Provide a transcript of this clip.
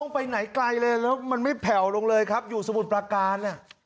ไปไหนไกลเลยแล้วมันไม่แผ่วลงเลยครับอยู่สมุทรประการ